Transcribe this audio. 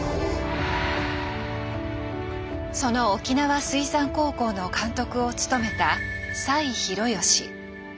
その沖縄水産高校の監督を務めた栽弘義。